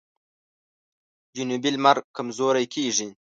جنوبي لمر کمزوری کیږي.